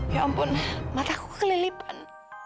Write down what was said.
ya ampun mataku kelipan